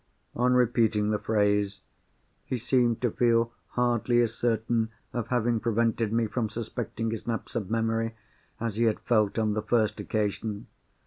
On repeating the phrase, he seemed to feel hardly as certain of having prevented me from suspecting his lapse of memory, as he had felt on the first occasion.